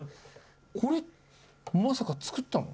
これ、まさか作ったの？